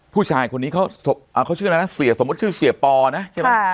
ผู้ชายคนนี้เขาชื่ออะไรนะเสียสมมุติชื่อเสียปอนะใช่ไหม